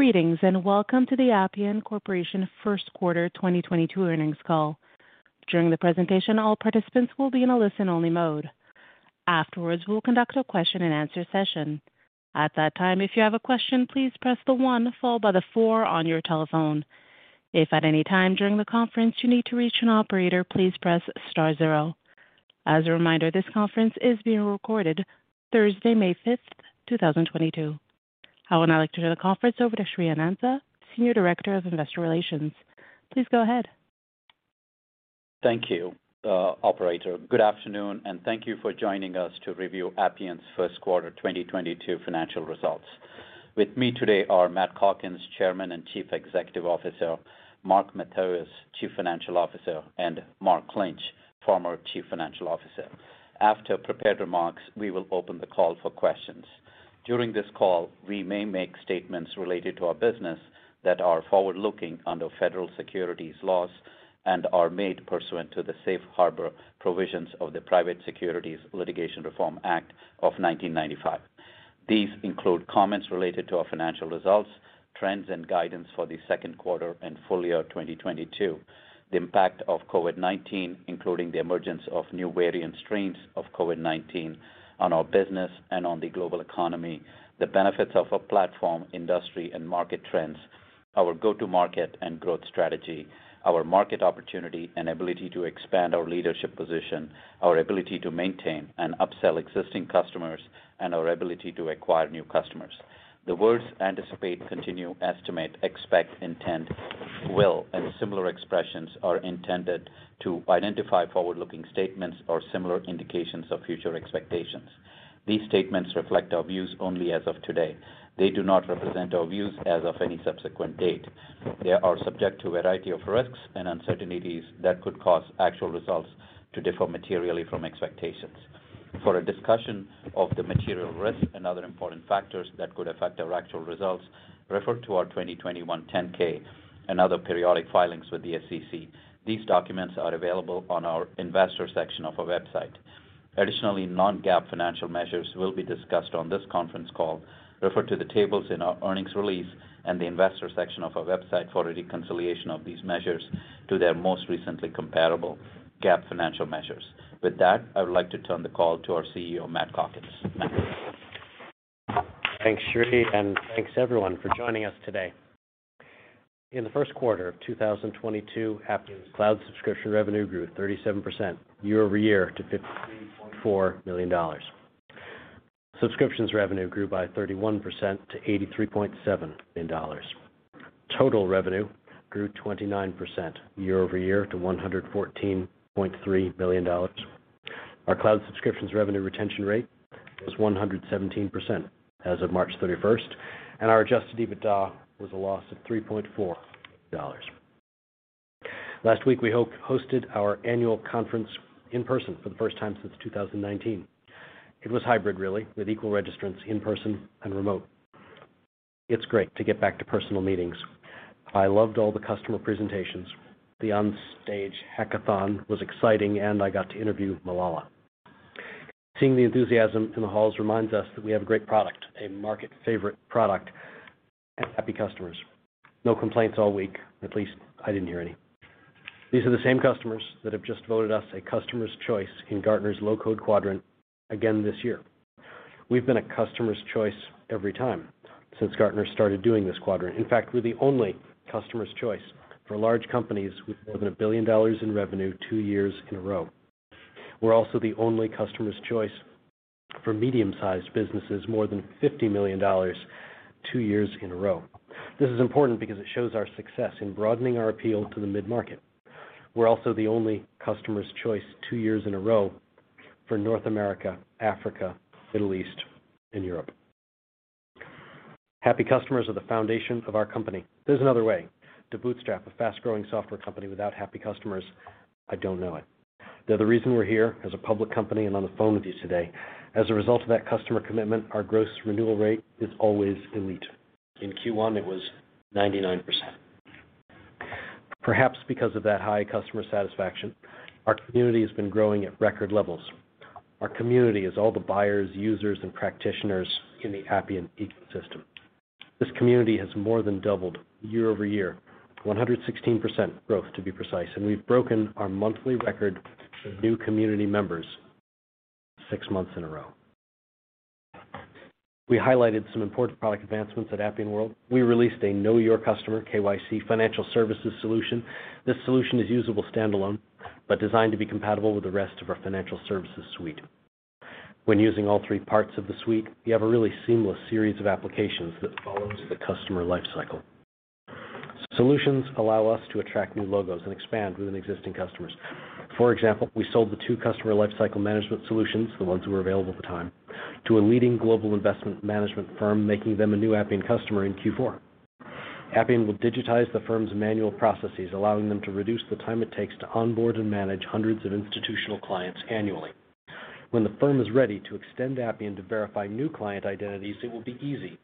Greetings, and welcome to the Appian Corporation first quarter 2022 earnings call. During the presentation, all participants will be in a listen-only mode. Afterwards, we'll conduct a question-and-answer session. At that time, if you have a question, please press the one followed by the four on your telephone. If at any time during the conference you need to reach an operator, please press star zero. As a reminder, this conference is being recorded Thursday, May 5th, 2022. I would now like to turn the conference over to Sri Anantha, Senior Director of Investor Relations. Please go ahead. Thank you, Operator. Good afternoon, and thank you for joining us to review Appian's first-quarter 2022 financial results. With me today are Matt Calkins, Chairman and Chief Executive Officer, Mark Matheos, Chief Financial Officer, and Mark Lynch, former Chief Financial Officer. After prepared remarks, we will open the call for questions. During this call, we may make statements related to our business that are forward-looking under federal securities laws and are made pursuant to the Safe Harbor provisions of the Private Securities Litigation Reform Act of 1995. These include comments related to our financial results, trends and guidance for the second quarter and full year 2022, the impact of COVID-19, including the emergence of new variant strains of COVID-19 on our business and on the global economy, the benefits of a platform, industry and market trends, our go-to-market and growth strategy, our market opportunity and ability to expand our leadership position, our ability to maintain and upsell existing customers, and our ability to acquire new customers. The words anticipate, continue, estimate, expect, intend, will, and similar expressions are intended to identify forward-looking statements or similar indications of future expectations. These statements reflect our views only as of today. They do not represent our views as of any subsequent date. They are subject to a variety of risks and uncertainties that could cause actual results to differ materially from expectations. For a discussion of the material risk and other important factors that could affect our actual results, refer to our 2021 10-K and other periodic filings with the SEC. These documents are available on our investor section of our website. Additionally, non-GAAP financial measures will be discussed on this conference call. Refer to the tables in our earnings release and the investor section of our website for a reconciliation of these measures to their most directly comparable GAAP financial measures. With that, I would like to turn the call to our CEO, Matt Calkins. Matt. Thanks, Sri, and thanks, everyone, for joining us today. In the first quarter of 2022, Appian's cloud subscription revenue grew 37% year-over-year to $53.4 million. Subscriptions revenue grew by 31% to $83.7 million. Total revenue grew 29% year-over-year to $114.3 million. Our cloud subscriptions revenue retention rate was 117% as of March 31, and our Adjusted EBITDA was a loss of $3.4 million. Last week, we hosted our annual conference in person for the first time since 2019. It was hybrid really, with equal registrants in person and remote. It's great to get back to personal meetings. I loved all the customer presentations. The onstage hackathon was exciting, and I got to interview Malala. Seeing the enthusiasm in the halls reminds us that we have a great product, a market favorite product, and happy customers. No complaints all week, at least I didn't hear any. These are the same customers that have just voted us a customer's choice in Gartner's Low-Code Quadrant again this year. We've been a customer's choice every time since Gartner started doing this quadrant. In fact, we're the only customer's choice for large companies with more than $1 billion in revenue two years in a row. We're also the only customer's choice for medium-sized businesses, more than $50 million two years in a row. This is important because it shows our success in broadening our appeal to the mid-market. We're also the only customer's choice two years in a row for North America, Africa, Middle East and Europe. Happy customers are the foundation of our company. If there's another way to bootstrap a fast-growing software company without happy customers, I don't know it. They're the reason we're here as a public company and on the phone with you today. As a result of that customer commitment, our gross renewal rate is always elite. In Q1, it was 99%. Perhaps because of that high customer satisfaction, our community has been growing at record levels. Our community is all the buyers, users, and practitioners in the Appian ecosystem. This community has more than doubled year-over-year. 116% growth, to be precise. We've broken our monthly record of new community members six months in a row. We highlighted some important product advancements at Appian World. We released a Know Your Customer (KYC) financial services solution. This solution is usable standalone, but designed to be compatible with the rest of our financial services suite. When using all three parts of the suite, you have a really seamless series of applications that follows the customer lifecycle. Solutions allow us to attract new logos and expand within existing customers. For example, we sold the two customer lifecycle management solutions, the ones that were available at the time, to a leading global investment management firm, making them a new Appian customer in Q4. Appian will digitize the firm's manual processes, allowing them to reduce the time it takes to onboard and manage hundreds of institutional clients annually. When the firm is ready to extend Appian to verify new client identities, it will be easy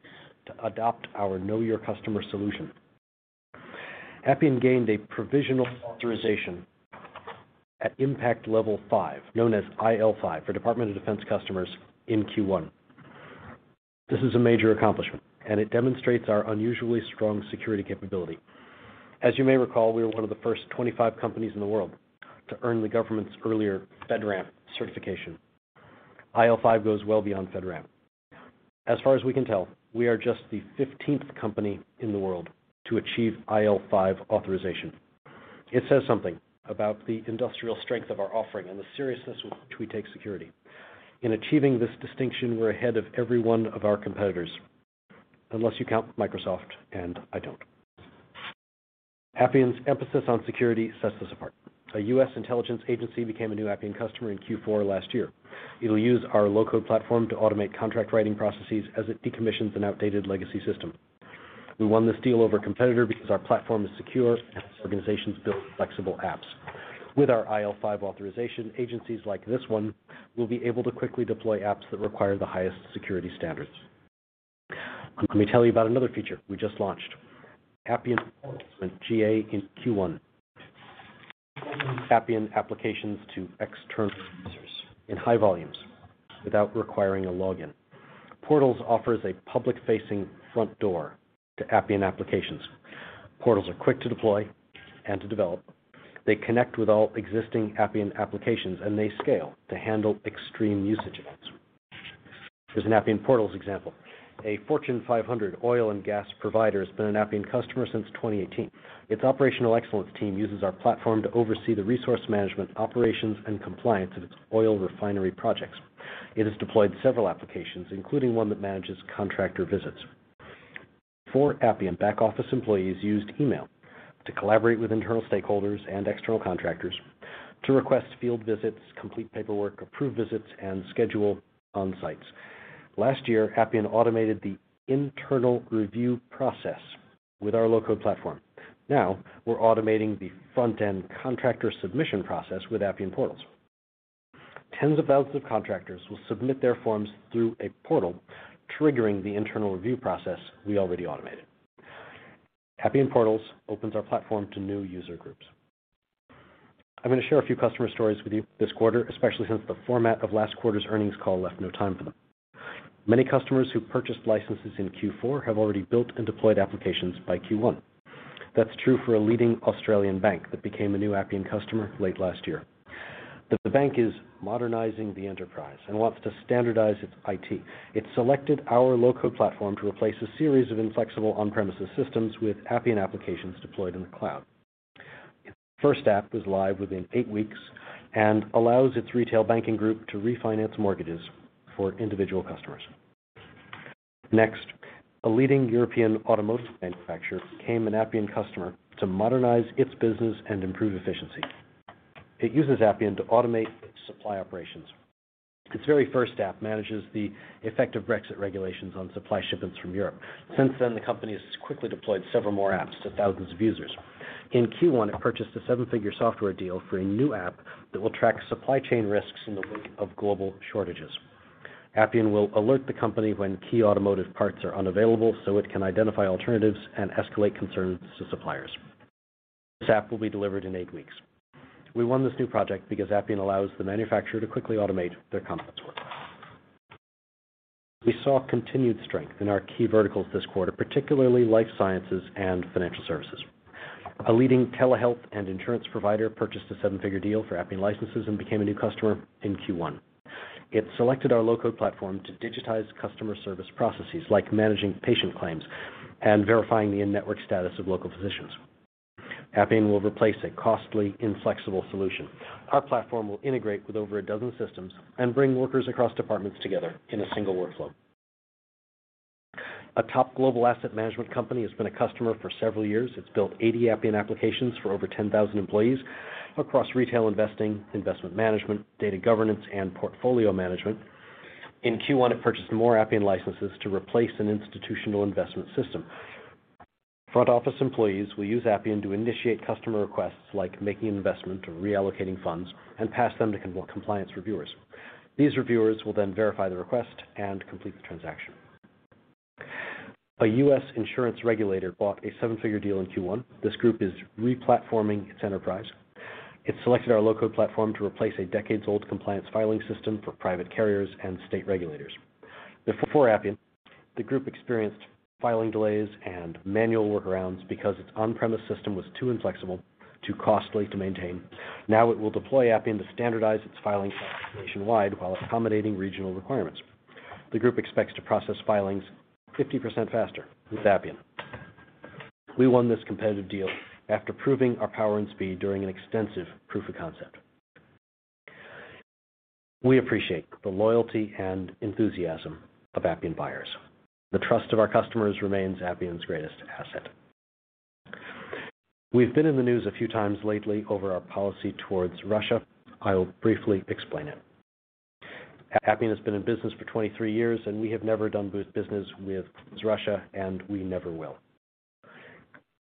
to adopt our Know Your Customer solution. Appian gained a provisional authorization at Impact Level 5, known as IL5 for Department of Defense customers in Q1. This is a major accomplishment, and it demonstrates our unusually strong security capability. As you may recall, we were one of the first 25 companies in the world to earn the government's earlier FedRAMP certification. IL5 goes well beyond FedRAMP. As far as we can tell, we are just the 15th company in the world to achieve IL5 authorization. It says something about the industrial strength of our offering and the seriousness with which we take security. In achieving this distinction, we're ahead of every one of our competitors, unless you count Microsoft, and I don't. Appian's emphasis on security sets us apart. A U.S. intelligence agency became a new Appian customer in Q4 last year. It'll use our low-code platform to automate contract writing processes as it decommissions an outdated legacy system. We won this deal over a competitor because our platform is secure and helps organizations build flexible apps. With our IL5 authorization, agencies like this one will be able to quickly deploy apps that require the highest security standards. Let me tell you about another feature we just launched. Appian Portals went GA in Q1. Appian applications to external users in high volumes without requiring a login. Portals offers a public-facing front door to Appian applications. Portals are quick to deploy and to develop. They connect with all existing Appian applications, and they scale to handle extreme usage events. Here's an Appian Portals example. A Fortune 500 oil and gas provider has been an Appian customer since 2018. Its operational excellence team uses our platform to oversee the resource management, operations, and compliance of its oil refinery projects. It has deployed several applications, including one that manages contractor visits. Before Appian, back-office employees used email to collaborate with internal stakeholders and external contractors to request field visits, complete paperwork, approve visits, and schedule on-sites. Last year, Appian automated the internal review process with our low-code platform. Now we're automating the front-end contractor submission process with Appian Portals. Tens of thousands of contractors will submit their forms through a portal, triggering the internal review process we already automated. Appian Portals opens our platform to new user groups. I'm going to share a few customer stories with you this quarter, especially since the format of last quarter's earnings call left no time for them. Many customers who purchased licenses in Q4 have already built and deployed applications by Q1. That's true for a leading Australian bank that became a new Appian customer late last year. The bank is modernizing the enterprise and wants to standardize its IT. It selected our low-code platform to replace a series of inflexible on-premises systems with Appian applications deployed in the cloud. Its first app was live within eight weeks and allows its retail banking group to refinance mortgages for individual customers. Next, a leading European automotive manufacturer became an Appian customer to modernize its business and improve efficiency. It uses Appian to automate its supply operations. Its very first app manages the effect of Brexit regulations on supply shipments from Europe. Since then, the company has quickly deployed several more apps to thousands of users. In Q1, it purchased a 7-figure software deal for a new app that will track supply chain risks in the wake of global shortages. Appian will alert the company when key automotive parts are unavailable so it can identify alternatives and escalate concerns to suppliers. This app will be delivered in eight weeks. We won this new project because Appian allows the manufacturer to quickly automate their compliance work. We saw continued strength in our key verticals this quarter, particularly life sciences and financial services. A leading telehealth and insurance provider purchased a 7-figure deal for Appian licenses and became a new customer in Q1. It selected our low-code platform to digitize customer service processes like managing patient claims and verifying the in-network status of local physicians. Appian will replace a costly, inflexible solution. Our platform will integrate with over 12 systems and bring workers across departments together in a single workflow. A top global asset management company has been a customer for several years. It's built 80 Appian applications for over 10,000 employees across retail investing, investment management, data governance, and portfolio management. In Q1, it purchased more Appian licenses to replace an institutional investment system. Front office employees will use Appian to initiate customer requests, like making an investment or reallocating funds, and pass them to compliance reviewers. These reviewers will then verify the request and complete the transaction. A U.S. insurance regulator bought a seven-figure deal in Q1. This group is re-platforming its enterprise. It selected our low-code platform to replace a decades-old compliance filing system for private carriers and state regulators. Before Appian, the group experienced filing delays and manual workarounds because its on-premise system was too inflexible, too costly to maintain. Now it will deploy Appian to standardize its filings nationwide while accommodating regional requirements. The group expects to process filings 50% faster with Appian. We won this competitive deal after proving our power and speed during an extensive proof of concept. We appreciate the loyalty and enthusiasm of Appian buyers. The trust of our customers remains Appian's greatest asset. We've been in the news a few times lately over our policy toward Russia. I'll briefly explain it. Appian has been in business for 23 years, and we have never done business with Russia, and we never will.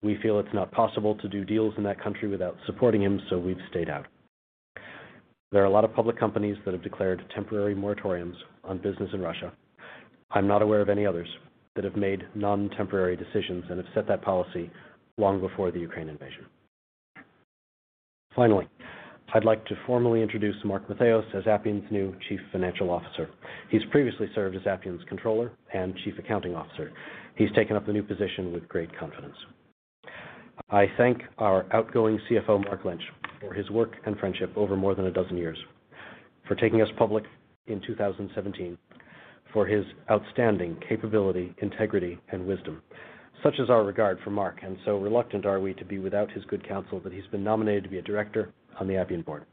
We feel it's not possible to do deals in that country without supporting him, so we've stayed out. There are a lot of public companies that have declared temporary moratoriums on business in Russia. I'm not aware of any others that have made non-temporary decisions and have set that policy long before the Ukraine invasion. Finally, I'd like to formally introduce Mark Matheos as Appian's new Chief Financial Officer. He's previously served as Appian's Controller and Chief Accounting Officer. He's taken up the new position with great confidence. I thank our outgoing CFO, Mark Lynch, for his work and friendship over more than a dozen years, for taking us public in 2017, for his outstanding capability, integrity, and wisdom. Such is our regard for Mark, and so reluctant are we to be without his good counsel, that he's been nominated to be a director on the Appian board.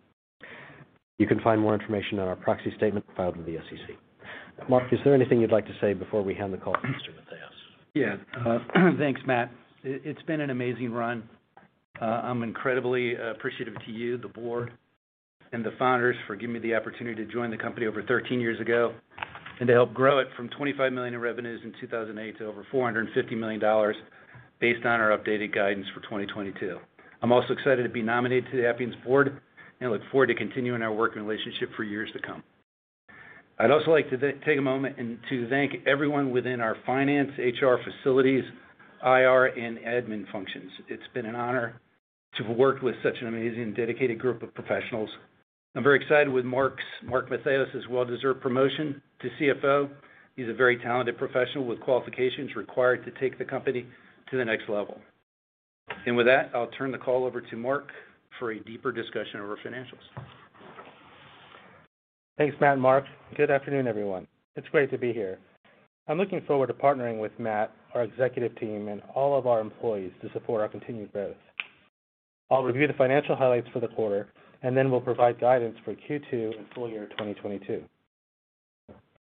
You can find more information on our proxy statement filed with the SEC. Mark, is there anything you'd like to say before we hand the call over to Mr. Matheos? Yeah. Thanks, Matt. It's been an amazing run. I'm incredibly appreciative to you, the board, and the founders for giving me the opportunity to join the company over 13 years ago, and to help grow it from $25 million in revenues in 2008 to over $450 million based on our updated guidance for 2022. I'm also excited to be nominated to the Appian's board and look forward to continuing our working relationship for years to come. I'd also like to take a moment and to thank everyone within our finance, HR, facilities, IR, and admin functions. It's been an honor to have worked with such an amazing, dedicated group of professionals. I'm very excited with Mark's, Mark Matheos' well-deserved promotion to CFO. He's a very talented professional with qualifications required to take the company to the next level. With that, I'll turn the call over to Mark for a deeper discussion of our financials. Thanks, Matt and Mark. Good afternoon, everyone. It's great to be here. I'm looking forward to partnering with Matt, our executive team, and all of our employees to support our continued growth. I'll review the financial highlights for the quarter, and then we'll provide guidance for Q2 and full year 2022.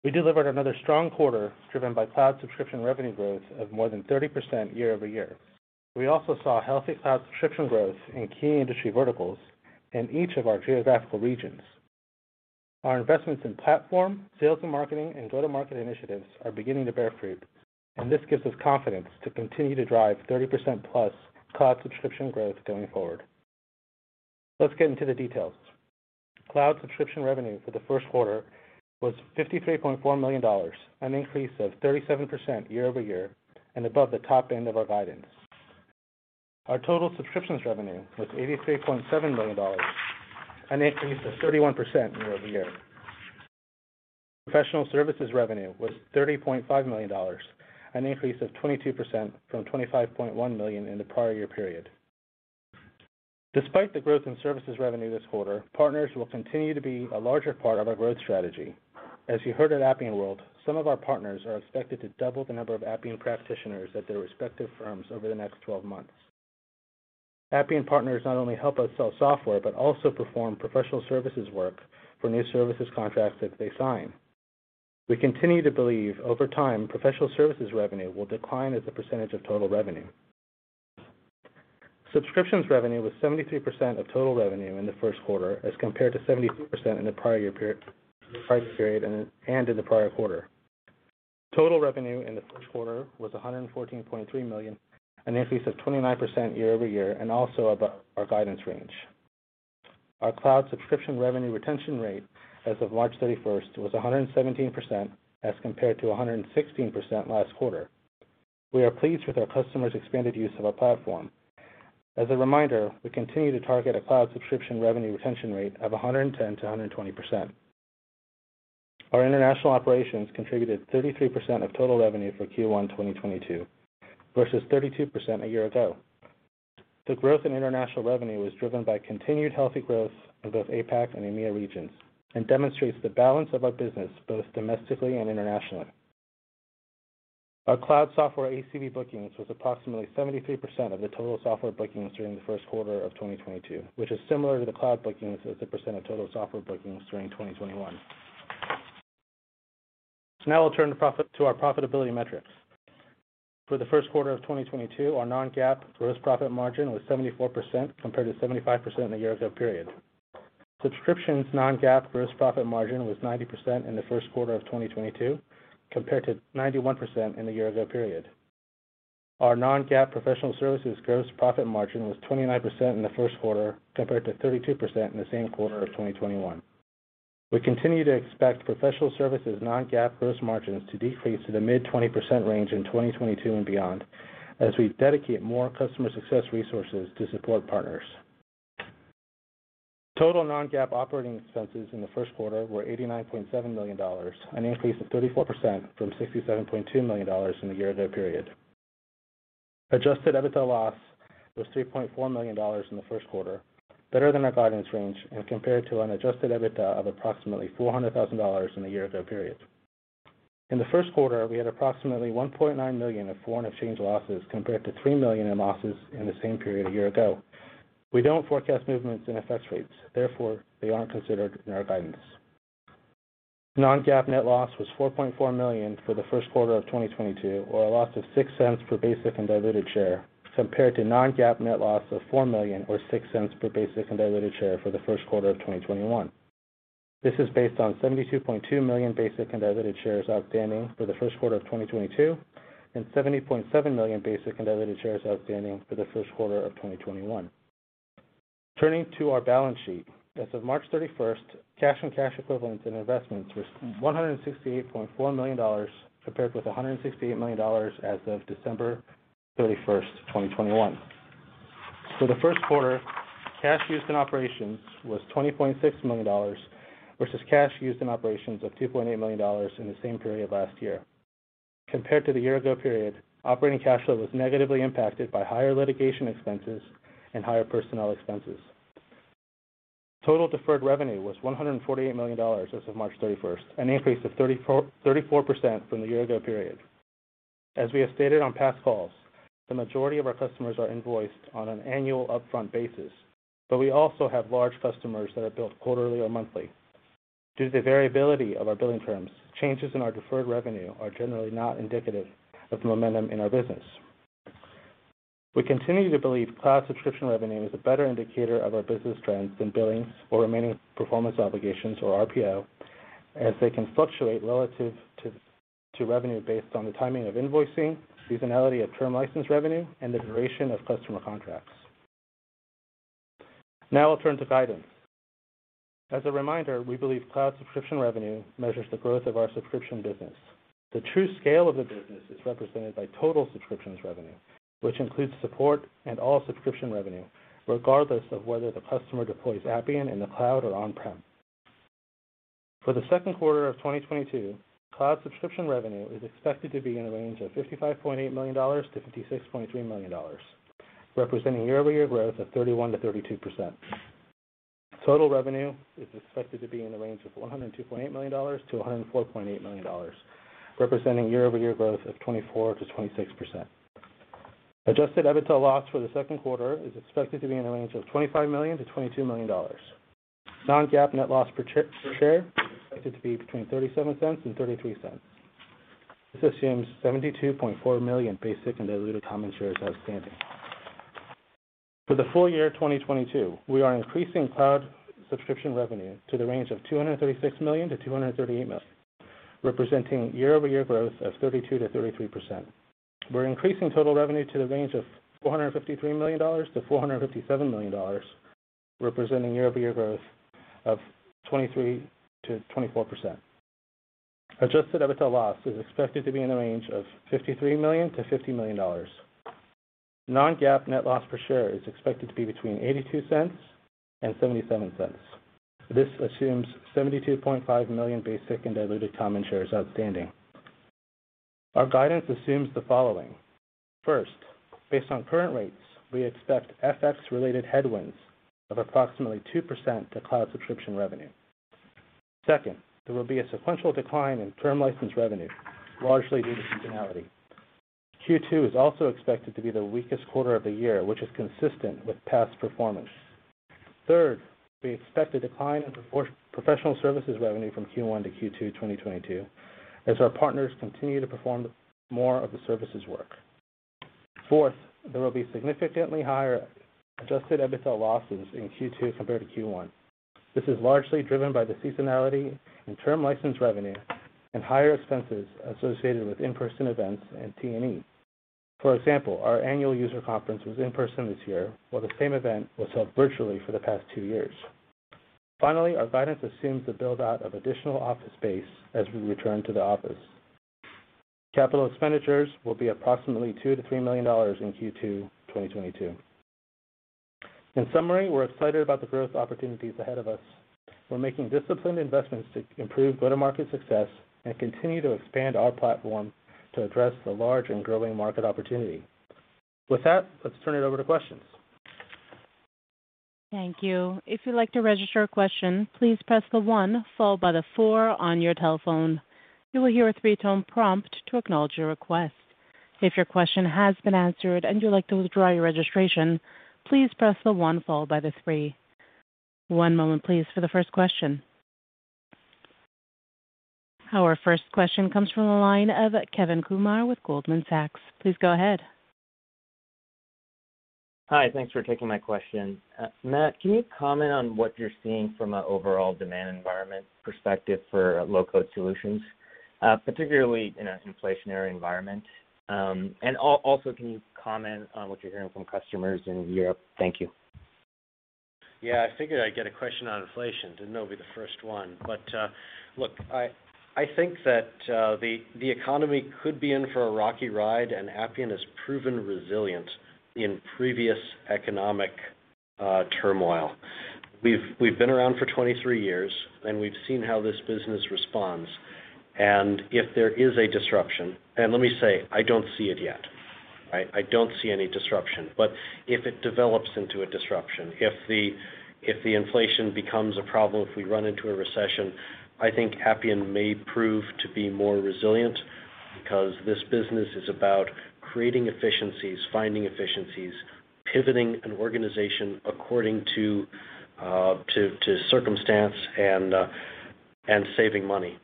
We delivered another strong quarter, driven by cloud subscription revenue growth of more than 30% year-over-year. We also saw healthy cloud subscription growth in key industry verticals in each of our geographical regions. Our investments in platform, sales and marketing, and go-to-market initiatives are beginning to bear fruit, and this gives us confidence to continue to drive 30%+ cloud subscription growth going forward. Let's get into the details. Cloud subscription revenue for the first quarter was $53.4 million, an increase of 37% year-over-year, and above the top end of our guidance. Our total subscriptions revenue was $83.7 million, an increase of 31% year-over-year. Professional services revenue was $30.5 million, an increase of 22% from $25.1 million in the prior year period. Despite the growth in services revenue this quarter, partners will continue to be a larger part of our growth strategy. As you heard at Appian World, some of our partners are expected to double the number of Appian practitioners at their respective firms over the next 12 months. Appian partners not only help us sell software, but also perform professional services work for new services contracts that they sign. We continue to believe over time, professional services revenue will decline as a percentage of total revenue. Subscriptions revenue was 73% of total revenue in the first quarter, as compared to 72% in the prior year prior period and in the prior quarter. Total revenue in the first quarter was $114.3 million, an increase of 29% year-over-year, and also above our guidance range. Our cloud subscription revenue retention rate as of March 31st was 117%, as compared to 116% last quarter. We are pleased with our customers' expanded use of our platform. As a reminder, we continue to target a cloud subscription revenue retention rate of 110%-120%. Our international operations contributed 33% of total revenue for Q1 2022 versus 32% a year ago. The growth in international revenue was driven by continued healthy growth of both APAC and EMEA regions and demonstrates the balance of our business both domestically and internationally. Our cloud software ACV bookings was approximately 73% of the total software bookings during the first quarter of 2022, which is similar to the cloud bookings as a percent of total software bookings during 2021. Now I'll turn to our profitability metrics. For the first quarter of 2022, our non-GAAP gross profit margin was 74% compared to 75% in the year ago period. Subscriptions non-GAAP gross profit margin was 90% in the first quarter of 2022 compared to 91% in the year ago period. Our non-GAAP professional services gross profit margin was 29% in the first quarter compared to 32% in the same quarter of 2021. We continue to expect professional services non-GAAP gross margins to decrease to the mid-20% range in 2022 and beyond as we dedicate more customer success resources to support partners. Total non-GAAP operating expenses in the first quarter were $89.7 million, an increase of 34% from $67.2 million in the year ago period. Adjusted EBITDA loss was $3.4 million in the first quarter, better than our guidance range and compared to an Adjusted EBITDA of approximately $400,000 in the year ago period. In the first quarter, we had approximately $1.9 million of foreign exchange losses compared to $3 million in losses in the same period a year ago. We don't forecast movements in FX rates, therefore they aren't considered in our guidance. Non-GAAP net loss was $4.4 million for the first quarter of 2022, or a loss of $0.06 per basic and diluted share, compared to non-GAAP net loss of $4 million or $0.06 per basic and diluted share for the first quarter of 2021. This is based on 72.2 million basic and diluted shares outstanding for the first quarter of 2022, and 70.7 million basic and diluted shares outstanding for the first quarter of 2021. Turning to our balance sheet. As of March 31st, cash and cash equivalents and investments was $168.4 million, compared with $168 million as of December 31, 2021. For the first quarter, cash used in operations was $20.6 million, versus cash used in operations of $2.8 million in the same period last year. Compared to the year ago period, operating cash flow was negatively impacted by higher litigation expenses and higher personnel expenses. Total deferred revenue was $148 million as of March 31st, an increase of 34% from the year ago period. As we have stated on past calls, the majority of our customers are invoiced on an annual upfront basis, but we also have large customers that are billed quarterly or monthly. Due to the variability of our billing terms, changes in our deferred revenue are generally not indicative of momentum in our business. We continue to believe cloud subscription revenue is a better indicator of our business trends than billings or remaining performance obligations or RPO, as they can fluctuate relative to revenue based on the timing of invoicing, seasonality of term license revenue, and the duration of customer contracts. Now I'll turn to guidance. As a reminder, we believe cloud subscription revenue measures the growth of our subscription business. The true scale of the business is represented by total subscriptions revenue, which includes support and all subscription revenue, regardless of whether the customer deploys Appian in the cloud or on-prem. For the second quarter of 2022, cloud subscription revenue is expected to be in a range of $55.8 million-$56.3 million, representing year-over-year growth of 31%-32%. Total revenue is expected to be in the range of $102.8 million-$104.8 million, representing year-over-year growth of 24%-26%. Adjusted EBITDA loss for the second quarter is expected to be in the range of $25 million-$22 million. Non-GAAP net loss per share is expected to be between $0.37 and $0.33. This assumes 72.4 million basic and diluted common shares outstanding. For the full year 2022, we are increasing cloud subscription revenue to the range of $236 million-$238 million, representing year-over-year growth of 32%-33%. We're increasing total revenue to the range of $453 million-$457 million, representing year-over-year growth of 23%-24%. Adjusted EBITDA loss is expected to be in the range of $53 million-$50 million. Non-GAAP net loss per share is expected to be between $0.82 and $0.77. This assumes 72.5 million basic and diluted common shares outstanding. Our guidance assumes the following. First, based on current rates, we expect FX-related headwinds of approximately 2% to cloud subscription revenue. Second, there will be a sequential decline in term license revenue, largely due to seasonality. Q2 is also expected to be the weakest quarter of the year, which is consistent with past performance. Third, we expect a decline in professional services revenue from Q1 to Q2 2022 as our partners continue to perform more of the services work. Fourth, there will be significantly higher Adjusted EBITDA losses in Q2 compared to Q1. This is largely driven by the seasonality in term license revenue and higher expenses associated with in-person events and T&E. For example, our annual user conference was in person this year, while the same event was held virtually for the past two years. Finally, our guidance assumes the build-out of additional office space as we return to the office. Capital expenditures will be approximately $2-$3 million in Q2 2022. In summary, we're excited about the growth opportunities ahead of us. We're making disciplined investments to improve go-to-market success and continue to expand our platform to address the large and growing market opportunity. With that, let's turn it over to questions. Thank you. If you'd like to register a question, please press the one followed by the four on your telephone. You will hear a three-tone prompt to acknowledge your request. If your question has been answered and you'd like to withdraw your registration, please press the one followed by the three. One moment please for the first question. Our first question comes from the line of Kevin Kumar with Goldman Sachs. Please go ahead. Hi. Thanks for taking my question. Matt, can you comment on what you're seeing from an overall demand environment perspective for low-code solutions, particularly in an inflationary environment? Can you comment on what you're hearing from customers in Europe? Thank you. Yeah, I figured I'd get a question on inflation. Didn't know it'd be the first one. Look, I think that the economy could be in for a rocky ride, and Appian has proven resilient in previous economic turmoil. We've been around for 23 years, and we've seen how this business responds. If there is a disruption, and let me say, I don't see it yet, right? I don't see any disruption. If it develops into a disruption, if the inflation becomes a problem, if we run into a recession, I think Appian may prove to be more resilient because this business is about creating efficiencies, finding efficiencies, pivoting an organization according to circumstance and saving money.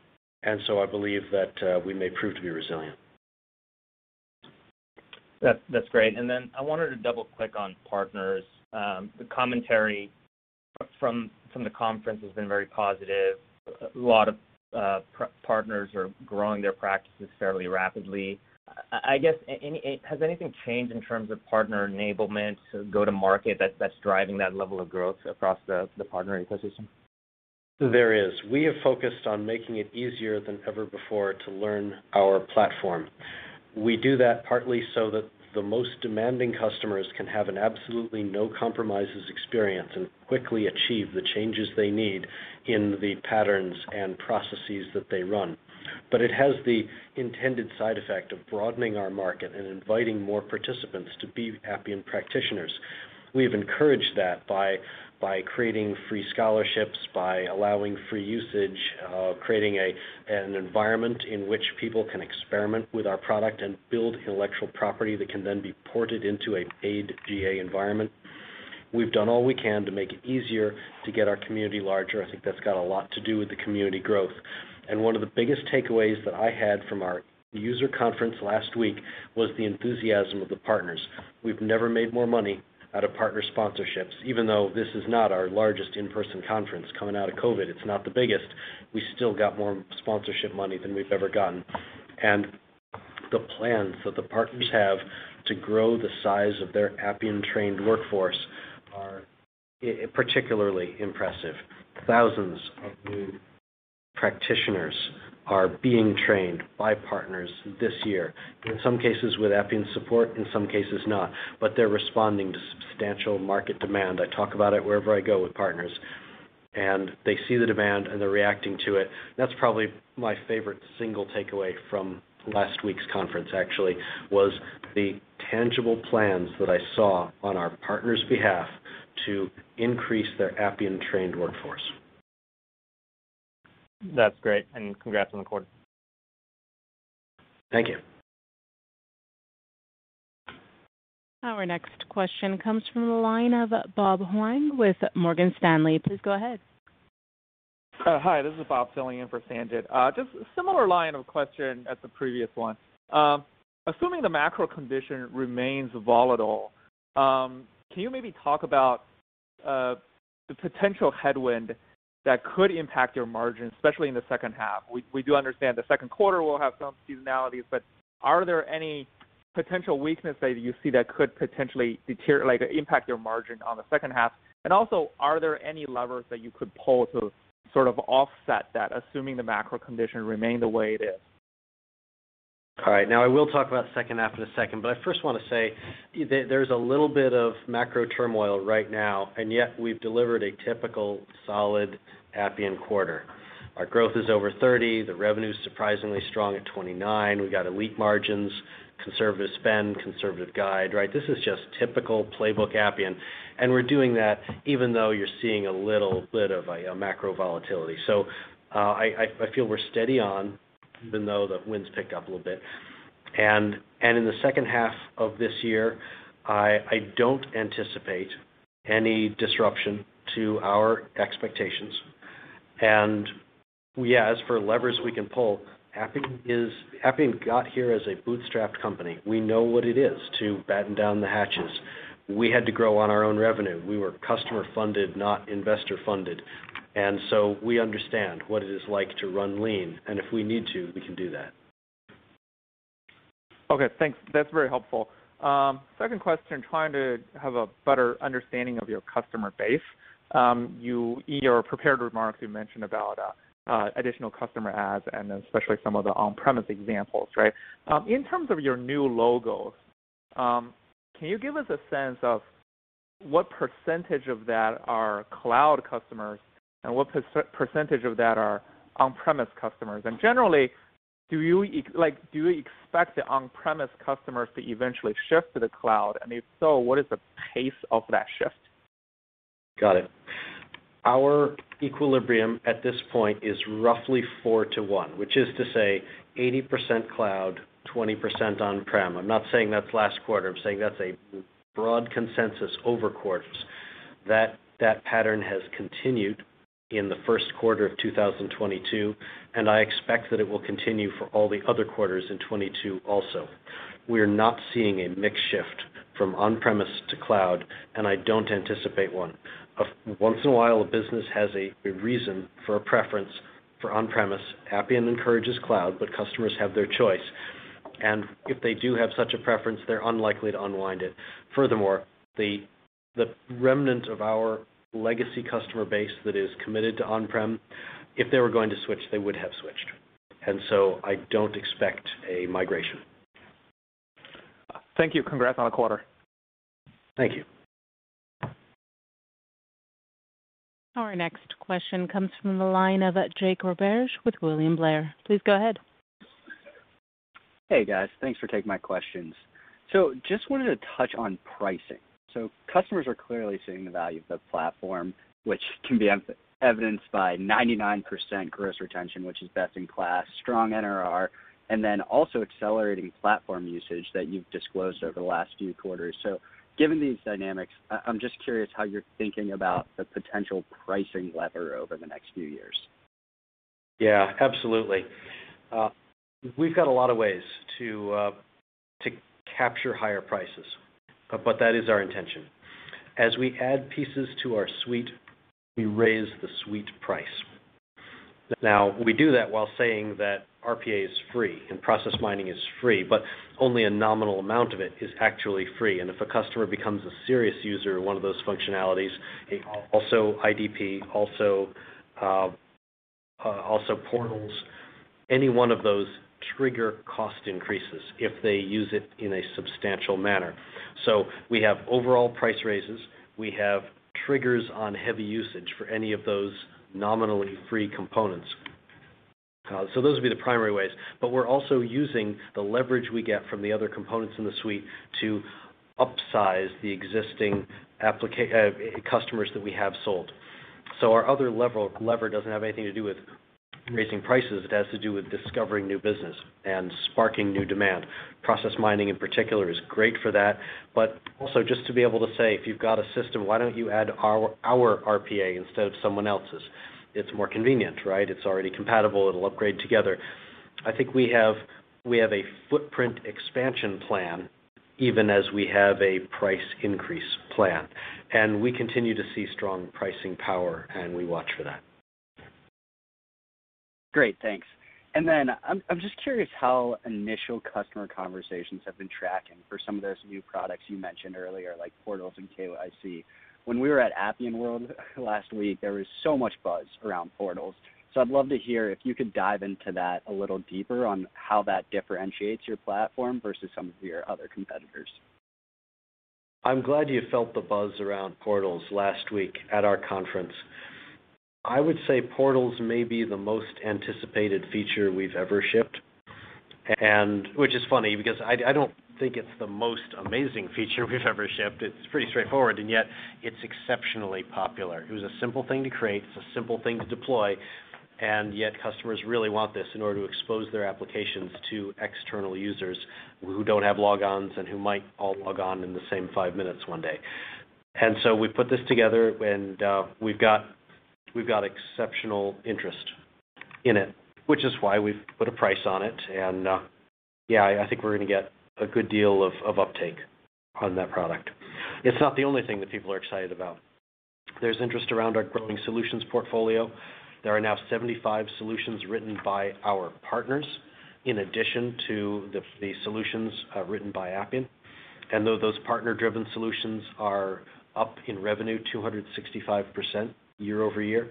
I believe that we may prove to be resilient. That's great. I wanted to double-click on partners. The commentary from the conference has been very positive. A lot of partners are growing their practices fairly rapidly. I guess has anything changed in terms of partner enablement to go to market that's driving that level of growth across the partner ecosystem? There is. We have focused on making it easier than ever before to learn our platform. We do that partly so that the most demanding customers can have an absolutely no compromises experience and quickly achieve the changes they need in the patterns and processes that they run. It has the intended side effect of broadening our market and inviting more participants to be Appian practitioners. We've encouraged that by creating free scholarships, by allowing free usage, creating an environment in which people can experiment with our product and build intellectual property that can then be ported into a paid GA environment. We've done all we can to make it easier to get our community larger. I think that's got a lot to do with the community growth. One of the biggest takeaways that I had from our user conference last week was the enthusiasm of the partners. We've never made more money out of partner sponsorships, even though this is not our largest in-person conference. Coming out of COVID, it's not the biggest. We still got more sponsorship money than we've ever gotten. The plans that the partners have to grow the size of their Appian-trained workforce are particularly impressive. Thousands of new practitioners are being trained by partners this year, in some cases with Appian support, in some cases not. They're responding to substantial market demand. I talk about it wherever I go with partners, and they see the demand, and they're reacting to it. That's probably my favorite single takeaway from last week's conference, actually, was the tangible plans that I saw on our partners' behalf to increase their Appian-trained workforce. That's great, and congrats on the quarter. Thank you. Our next question comes from the line of Bob Huang with Morgan Stanley. Please go ahead. Hi, this is Bob filling in for Sanjit. Just similar line of question as the previous one. Assuming the macro condition remains volatile, can you maybe talk about the potential headwind that could impact your margins, especially in the second half? We do understand the second quarter will have some seasonalities, but are there any potential weaknesses that you see that could potentially deteriorate or impact your margin on the second half? Also, are there any levers that you could pull to sort of offset that, assuming the macro condition remain the way it is? All right, now I will talk about second half in a second, but I first wanna say, there's a little bit of macro turmoil right now, and yet we've delivered a typical solid Appian quarter. Our growth is over 30%, the revenue's surprisingly strong at 29%. We got elite margins, conservative spend, conservative guide, right? This is just typical playbook Appian, and we're doing that even though you're seeing a little bit of a macro volatility. I feel we're steady on, even though the wind's picked up a little bit. In the second half of this year, I don't anticipate any disruption to our expectations. Yeah, as for levers we can pull, Appian got here as a bootstrapped company. We know what it is to batten down the hatches. We had to grow on our own revenue. We were customer-funded, not investor-funded. We understand what it is like to run lean, and if we need to, we can do that. Okay, thanks. That's very helpful. Second question, trying to have a better understanding of your customer base. You, in your prepared remarks, you mentioned about additional customer adds and especially some of the on-premise examples, right? In terms of your new logos, can you give us a sense of what percentage of that are cloud customers and what percentage of that are on-premise customers? And generally, like, do you expect the on-premise customers to eventually shift to the cloud? And if so, what is the pace of that shift? Got it. Our equilibrium at this point is roughly four to one, which is to say 80% cloud, 20% on-prem. I'm not saying that's last quarter. I'm saying that's a broad consensus over quarters. That pattern has continued in the first quarter of 2022, and I expect that it will continue for all the other quarters in 2022 also. We're not seeing a mix shift from on-premise to cloud, and I don't anticipate one. Once in a while, a business has a reason for a preference for on-premise. Appian encourages cloud, but customers have their choice. If they do have such a preference, they're unlikely to unwind it. Furthermore, the remnant of our legacy customer base that is committed to on-prem, if they were going to switch, they would have switched. I don't expect a migration. Thank you. Congrats on the quarter. Thank you. Our next question comes from the line of Jake Roberge with William Blair. Please go ahead. Hey, guys. Thanks for taking my questions. Just wanted to touch on pricing. Customers are clearly seeing the value of the platform, which can be evidenced by 99% gross retention, which is best in class, strong NRR, and then also accelerating platform usage that you've disclosed over the last few quarters. Given these dynamics, I'm just curious how you're thinking about the potential pricing lever over the next few years. Yeah, absolutely. We've got a lot of ways to capture higher prices, but that is our intention. As we add pieces to our suite, we raise the suite price. Now, we do that while saying that RPA is free and process mining is free, but only a nominal amount of it is actually free. If a customer becomes a serious user of one of those functionalities, also IDP, also portals, any one of those trigger cost increases if they use it in a substantial manner. We have overall price raises, we have triggers on heavy usage for any of those nominally free components. Those would be the primary ways. We're also using the leverage we get from the other components in the suite to upsize the existing customers that we have sold. Our other lever doesn't have anything to do with raising prices, it has to do with discovering new business and sparking new demand. Process mining in particular is great for that. Also just to be able to say, if you've got a system, why don't you add our RPA instead of someone else's? It's more convenient, right? It's already compatible, it'll upgrade together. I think we have a footprint expansion plan even as we have a price increase plan. We continue to see strong pricing power, and we watch for that. Great. Thanks. I'm just curious how initial customer conversations have been tracking for some of those new products you mentioned earlier, like portals and KYC. When we were at Appian World last week, there was so much buzz around portals. I'd love to hear if you could dive into that a little deeper on how that differentiates your platform versus some of your other competitors. I'm glad you felt the buzz around portals last week at our conference. I would say portals may be the most anticipated feature we've ever shipped. Which is funny because I don't think it's the most amazing feature we've ever shipped. It's pretty straightforward, and yet it's exceptionally popular. It was a simple thing to create, it's a simple thing to deploy, and yet customers really want this in order to expose their applications to external users who don't have logons and who might all log on in the same five minutes one day. We put this together and we've got exceptional interest in it, which is why we've put a price on it. I think we're gonna get a good deal of uptake on that product. It's not the only thing that people are excited about. There's interest around our growing solutions portfolio. There are now 75 solutions written by our partners in addition to the solutions written by Appian. Though those partner-driven solutions are up in revenue 265% year-over-year.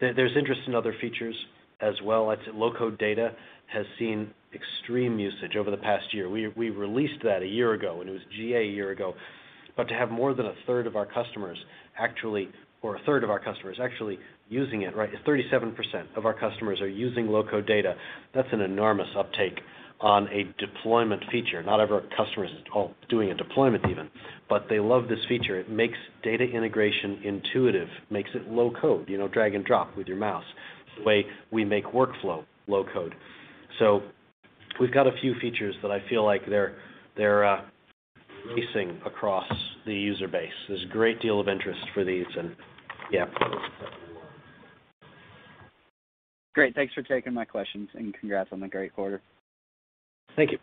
There's interest in other features as well. I'd say low-code data has seen extreme usage over the past year. We released that a year ago, and it was GA a year ago. To have more than a third of our customers actually using it, right? 37% of our customers are using low-code data. That's an enormous uptake on a deployment feature. Not all of our customers are even doing a deployment. They love this feature. It makes data integration intuitive, makes it low-code, you know, drag and drop with your mouse, the way we make workflow low-code. We've got a few features that I feel like they're racing across the user base. There's a great deal of interest for these, and yeah. Great. Thanks for taking my questions, and congrats on the great quarter. Thank you.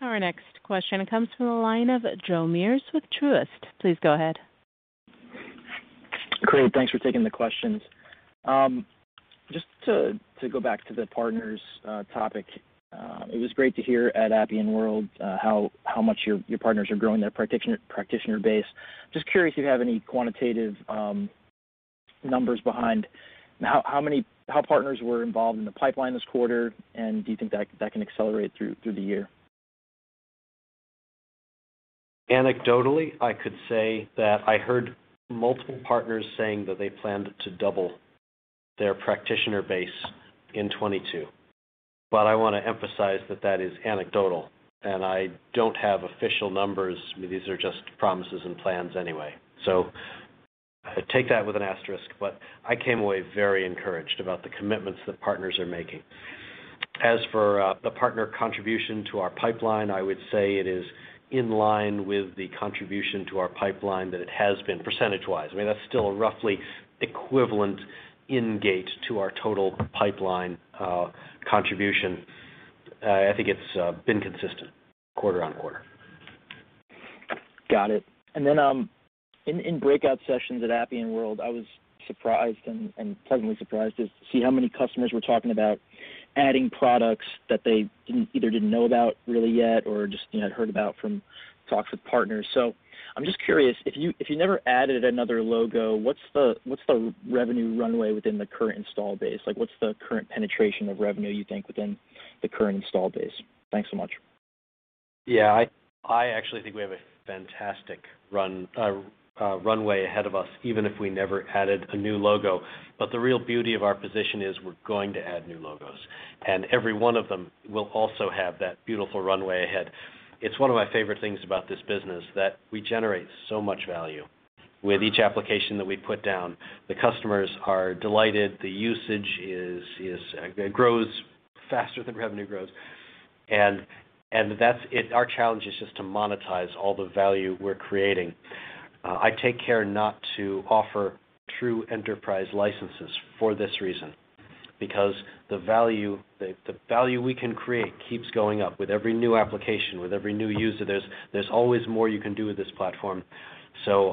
Our next question comes from the line of Joe Meares with Truist. Please go ahead. Great. Thanks for taking the questions. Just to go back to the partners topic, it was great to hear at Appian World how much your partners are growing their practitioner base. Just curious if you have any quantitative numbers behind how many partners were involved in the pipeline this quarter, and do you think that can accelerate through the year? Anecdotally, I could say that I heard multiple partners saying that they planned to double their practitioner base in 2022. I wanna emphasize that that is anecdotal, and I don't have official numbers. These are just promises and plans anyway. Take that with an asterisk. I came away very encouraged about the commitments that partners are making. As for the partner contribution to our pipeline, I would say it is in line with the contribution to our pipeline that it has been percentage-wise. I mean, that's still a roughly equivalent engagement to our total pipeline contribution. I think it's been consistent quarter-over-quarter. Got it. In breakout sessions at Appian World, I was surprised and pleasantly surprised to see how many customers were talking about adding products that they either didn't know about really yet or just, you know, had heard about from talks with partners. I'm just curious, if you never added another logo, what's the revenue runway within the current install base? Like what's the current penetration of revenue you think within the current install base? Thanks so much. I actually think we have a fantastic runway ahead of us, even if we never added a new logo. The real beauty of our position is we're going to add new logos, and every one of them will also have that beautiful runway ahead. It's one of my favorite things about this business, that we generate so much value with each application that we put down. The customers are delighted. The usage grows faster than revenue grows. That's it. Our challenge is just to monetize all the value we're creating. I take care not to offer true enterprise licenses for this reason, because the value we can create keeps going up with every new application, with every new user. There's always more you can do with this platform.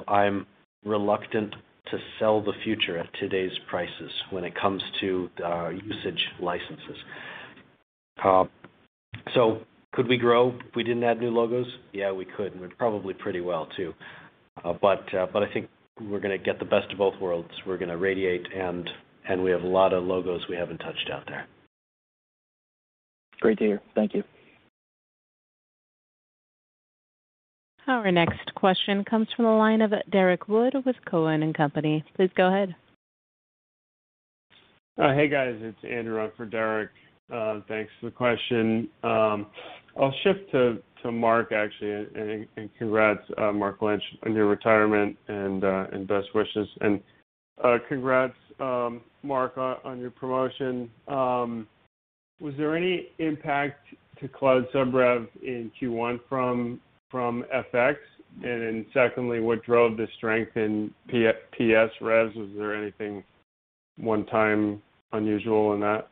I'm reluctant to sell the future at today's prices when it comes to usage licenses. Could we grow if we didn't add new logos? Yeah, we could, and we'd probably do pretty well too. I think we're gonna get the best of both worlds. We're gonna radiate, and we have a lot of logos we haven't touched out there. Great to hear. Thank you. Our next question comes from the line of Derrick Wood with Cowen and Company. Please go ahead. Hey, guys, it's Andrew on for Derrick. Thanks for the question. I'll shift to Mark, actually, and congrats, Mark Lynch, on your retirement, and best wishes. Congrats, Mark, on your promotion. Was there any impact to cloud sub rev in Q1 from FX? Secondly, what drove the strength in P-PS revs? Was there anything one-time unusual in that?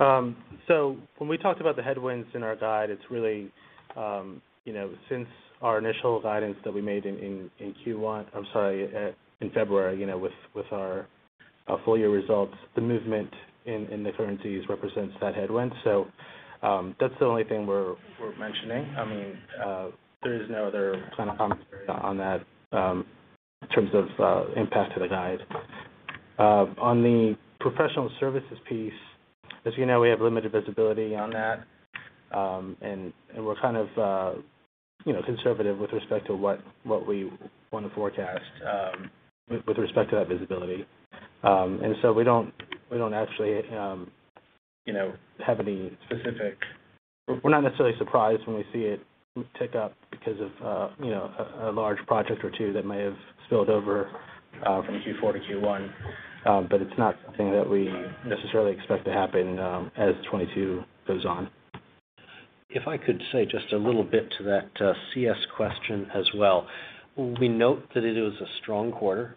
When we talked about the headwinds in our guide, it's really, you know, since our initial guidance that we made in February, you know, with our full year results, the movement in the currencies represents that headwind. That's the only thing we're mentioning. I mean, there is no other kind of commentary on that, in terms of impact to the guide. On the professional services piece, as you know, we have limited visibility on that, and we're kind of, you know, conservative with respect to what we wanna forecast, with respect to that visibility. We don't actually, you know, have any specific. We're not necessarily surprised when we see it pick up because of, you know, a large project or two that may have spilled over from Q4 to Q1. It's not something that we necessarily expect to happen as 2022 goes on. If I could say just a little bit to that, CS question as well. We note that it is a strong quarter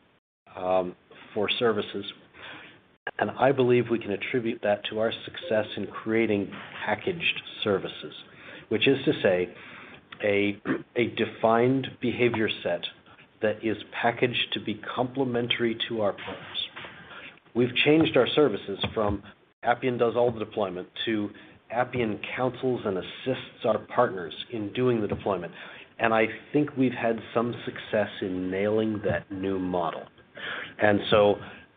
for services, and I believe we can attribute that to our success in creating packaged services, which is to say a defined behavior set that is packaged to be complementary to our products. We've changed our services from Appian does all the deployment to Appian counsels and assists our partners in doing the deployment, and I think we've had some success in nailing that new model.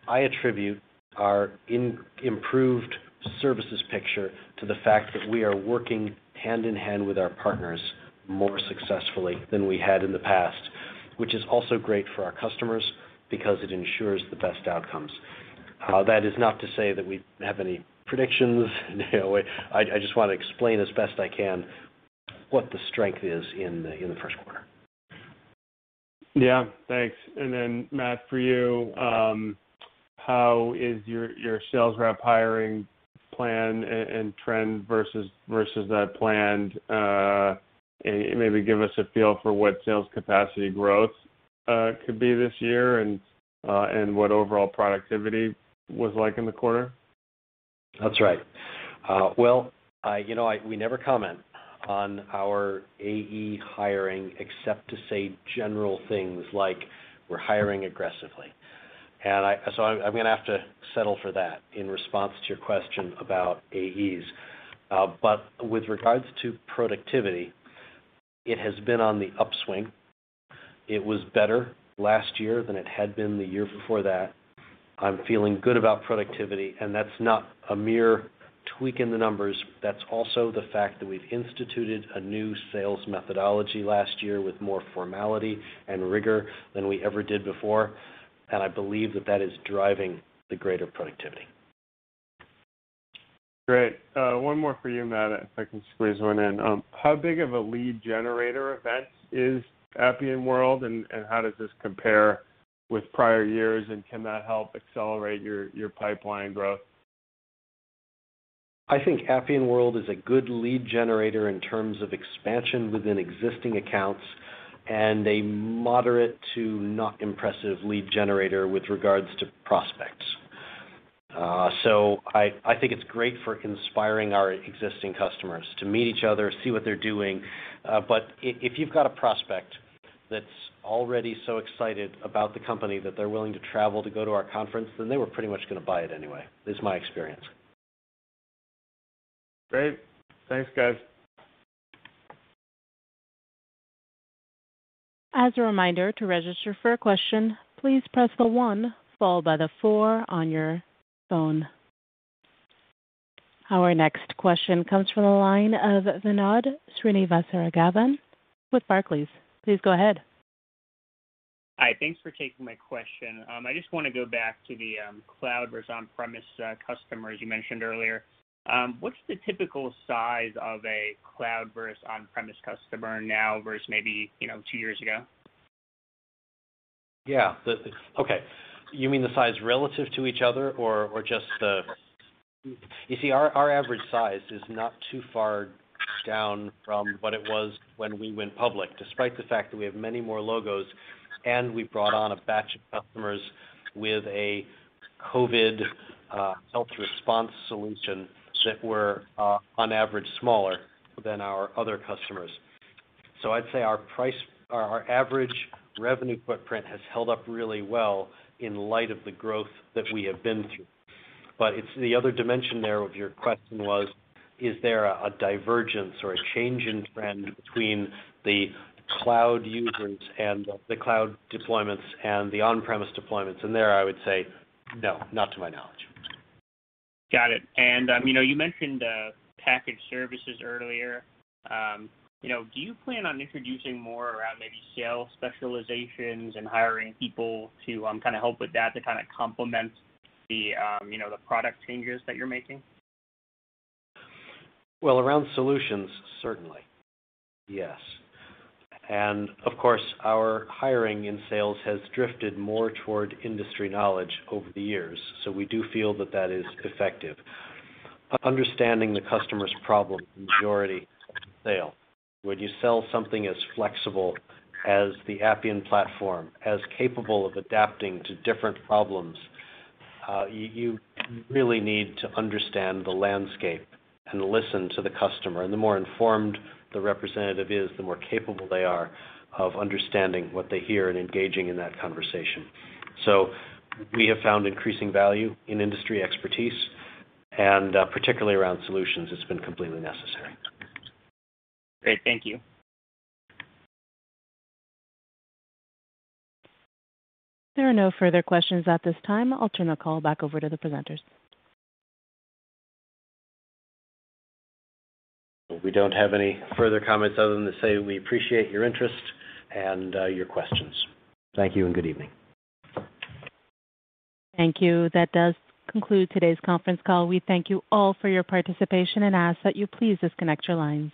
I attribute our improved services picture to the fact that we are working hand in hand with our partners more successfully than we had in the past, which is also great for our customers because it ensures the best outcomes. That is not to say that we have any predictions. You know, I just wanna explain as best I can what the strength is in the first quarter. Yeah, thanks. Then Matt, for you, how is your sales rep hiring plan and trend versus that planned? Maybe give us a feel for what sales capacity growth could be this year and what overall productivity was like in the quarter. That's right. You know, we never comment on our AE hiring except to say general things like we're hiring aggressively. I'm gonna have to settle for that in response to your question about AEs. With regards to productivity, it has been on the upswing. It was better last year than it had been the year before that. I'm feeling good about productivity, and that's not a mere tweak in the numbers. That's also the fact that we've instituted a new sales methodology last year with more formality and rigor than we ever did before, and I believe that that is driving the greater productivity. Great. One more for you, Matt, if I can squeeze one in. How big of a lead generator event is Appian World, and how does this compare with prior years, and can that help accelerate your pipeline growth? I think Appian World is a good lead generator in terms of expansion within existing accounts and a moderate to not impressive lead generator with regards to prospects. I think it's great for inspiring our existing customers to meet each other, see what they're doing. But if you've got a prospect that's already so excited about the company that they're willing to travel to go to our conference, then they were pretty much gonna buy it anyway, is my experience. Great. Thanks, guys. As a reminder, to register for a question, please press the one followed by the four on your phone. Our next question comes from the line of Vinod Srinivasaraghavan with Barclays. Please go ahead. Hi. Thanks for taking my question. I just wanna go back to the cloud versus on-premise customers you mentioned earlier. What's the typical size of a cloud versus on-premise customer now versus maybe, you know, two years ago? Okay. You mean the size relative to each other or just the. You see, our average size is not too far down from what it was when we went public, despite the fact that we have many more logos, and we brought on a batch of customers with a COVID health response solution that were on average smaller than our other customers. So I'd say our price, our average revenue footprint has held up really well in light of the growth that we have been through. The other dimension there of your question was, is there a divergence or a change in trend between the cloud users and the cloud deployments and the on-premise deployments? There I would say no, not to my knowledge. Got it. You know, you mentioned packaged services earlier. You know, do you plan on introducing more around maybe sales specializations and hiring people to kinda help with that to kinda complement the you know, the product changes that you're making? Well, around solutions, certainly, yes. Of course, our hiring in sales has drifted more toward industry knowledge over the years, so we do feel that that is effective. Understanding the customer's problem, the majority of the sale. When you sell something as flexible as the Appian platform, as capable of adapting to different problems, you really need to understand the landscape and listen to the customer. The more informed the representative is, the more capable they are of understanding what they hear and engaging in that conversation. We have found increasing value in industry expertise, and, particularly around solutions, it's been completely necessary. Great. Thank you. There are no further questions at this time. I'll turn the call back over to the presenters. We don't have any further comments other than to say we appreciate your interest and your questions. Thank you and good evening. Thank you. That does conclude today's conference call. We thank you all for your participation and ask that you please disconnect your lines.